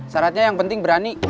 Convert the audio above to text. sarannya yang penting berani